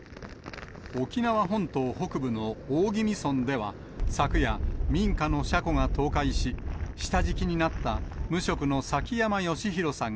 沖縄本島北部の大宜味村では、昨夜、民家の車庫が倒壊し、下敷きになった無職の崎山喜弘さん